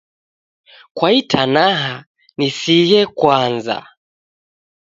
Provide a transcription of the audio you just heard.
Kwa itanaa nisighe kwanza.